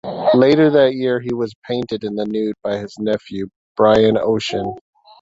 Later that year, he was painted in the nude by his nephew, Brian Ocean.